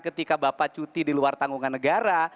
ketika bapak cuti di luar tanggungan negara